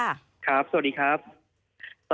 ครับสวัสดีครับ